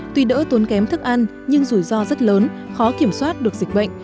tuy đỡ tốn kém thức ăn nhưng rủi ro rất lớn khó kiểm soát được dịch bệnh